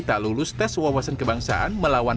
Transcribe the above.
tak lulus tes wawasan kebangsaan melawan